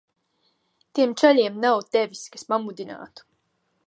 Tiem čaļiem nav tevis, kas pamudinātu.